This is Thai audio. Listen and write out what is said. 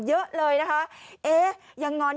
เยอะเลยเอ๊ะยังงอน